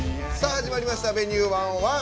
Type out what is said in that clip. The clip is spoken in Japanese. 始まりました「Ｖｅｎｕｅ１０１」。